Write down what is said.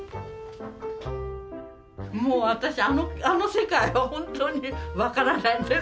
もう私あの世界は本当に分からないんです